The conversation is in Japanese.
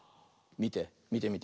みてみてみて。